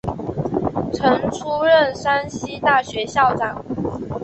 曾出任山西大学校长。